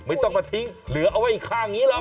ไม่ต้องมาทิ้งเหลือเอาไว้อีกข้างนี้หรอก